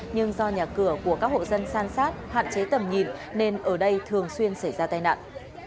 nhưng do nhà cửa của các hộ dân san sát hạn chế tầm nhìn nên ở đây thường xuyên xảy ra tai nạn